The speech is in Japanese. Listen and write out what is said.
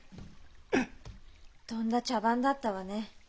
とんだ茶番だったわね。